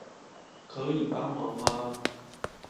可以幫忙嗎